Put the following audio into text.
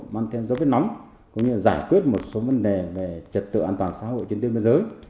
mang thêm dấu vết nóng cũng như là giải quyết một số vấn đề về trật tự an toàn xã hội trên thế giới